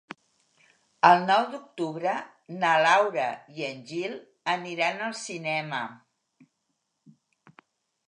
El nou d'octubre na Laura i en Gil aniran al cinema.